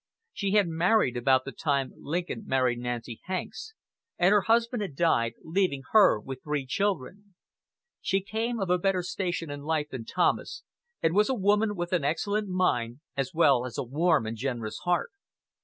She had married about the time Lincoln married Nancy Hanks, and her husband had died, leaving her with three children. She came of a better station in life than Thomas, and was a woman with an excellent mind as well as a warm and generous heart.